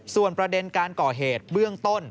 ส่วนประเด็นการก่อเหตุเบื้องต้น